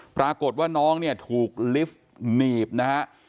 ปรากฏว่าน้องถูกลิฟต์หนีบนะครับ